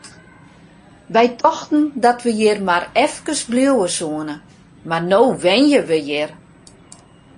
Wy tochten dat we hjir mar efkes bliuwe soene, mar no wenje we hjir!